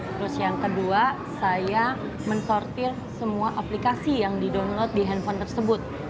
terus yang kedua saya men sortir semua aplikasi yang di download di handphone